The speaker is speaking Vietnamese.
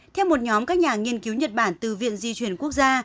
theo một nhóm các nhà nghiên cứu nhật bản từ viện di chuyển quốc gia